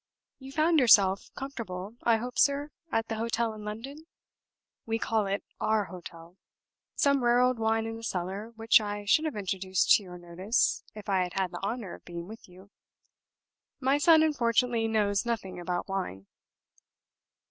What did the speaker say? You found yourself comfortable, I hope, sir, at the hotel in London? We call it Our hotel. Some rare old wine in the cellar, which I should have introduced to your notice if I had had the honor of being with you. My son unfortunately knows nothing about wine."